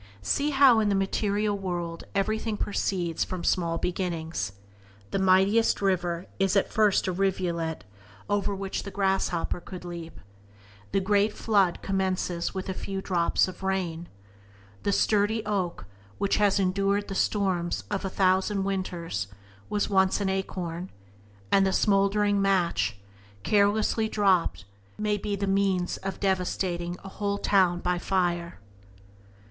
See how in the material world everything proceeds from small beginnings. The mightiest river is at first a rivulet over which the grasshopper could leap; the great flood commences with a few drops of rain; the sturdy oak, which has endured the storms of a thousand winters, was once an acorn; and the smouldering match, carelessly dropped, may be the means of devastating a whole town by fire.